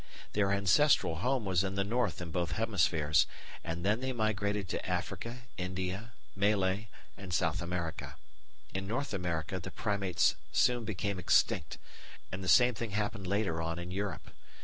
Their ancestral home was in the north in both hemispheres, and then they migrated to Africa, India, Malay, and South America. In North America the Primates soon became extinct, and the same thing happened later on in Europe.